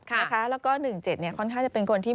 ค่ะแล้วก็หนึ่งเจ็ดเนี่ยค่อนข้างจะเป็นคนที่